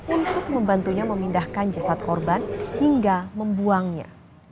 untuk membantunya memindahkan jasad korban hingga membuangnya